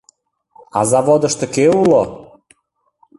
— А заводышто кӧ уло?